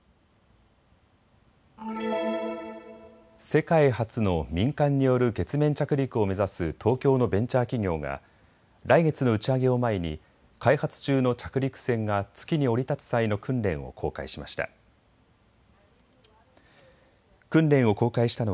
世界初の民間による月面着陸を目指す東京のベンチャー企業が来月の打ち上げを前に開発中の着陸船が月に降り立つ際の訓練を公開しました。